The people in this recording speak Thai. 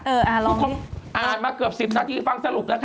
คงอ่านมาเกือบ๑๐นาทีฟังสรุปนะคะ